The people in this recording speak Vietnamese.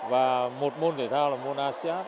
và một môn thể thao là môn asean